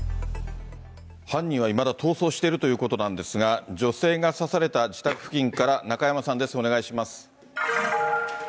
犯人はいまだ逃走しているということなんですが、女性が刺された自宅付近から中山さんです、お願いします。